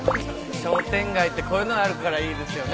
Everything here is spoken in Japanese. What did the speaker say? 商店街ってこういうのあるからいいですよね。